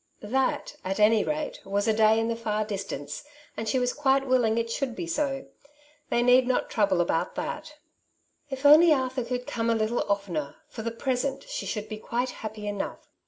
*' That at any rate was a day in the far distance, and she was quite willing it should be so. They need not trouble about that. " If only Arthur could come a little oftener, for the present she should be quite happy enough.